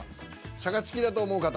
シャカチキだと思う方。